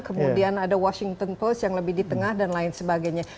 kemudian ada washington post yang lebih di tengah dan lain sebagainya